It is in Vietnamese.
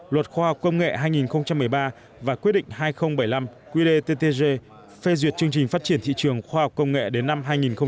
luật khoa học công nghệ hai nghìn một mươi ba và quyết định hai nghìn bảy mươi năm qdttg phê duyệt chương trình phát triển thị trường khoa học công nghệ đến năm hai nghìn hai mươi